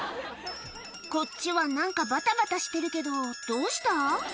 こっちは何かバタバタしてるけどどうした？